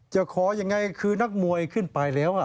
จะขอยังไงคือนักมวยขึ้นไปแล้ว